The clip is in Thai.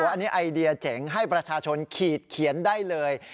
อันนี้ไอเดียเจ๋งให้ประชาชนขีดเขียนได้เลย